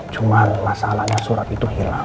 cuma masalahnya surat itu hilang